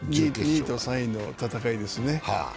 ２位と３位の戦いですね。